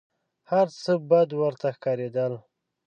هر څه بد ورته ښکارېدل .